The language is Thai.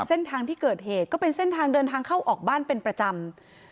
เส้นทางที่เกิดเหตุก็เป็นเส้นทางเดินทางเข้าออกบ้านเป็นประจำ